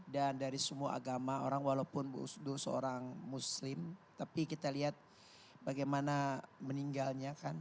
dan dari semua agama orang walaupun gus dur seorang muslim tapi kita lihat bagaimana meninggalnya kan